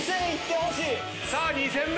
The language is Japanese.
さあ２，０００